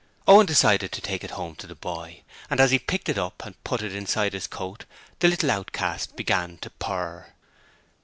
Owen decided to take it home to the boy, and as he picked it up and put it inside his coat the little outcast began to purr.